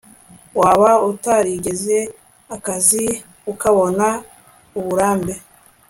waba utarigeze akazi, ukabona uburambe